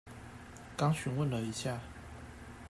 剛詢問了一下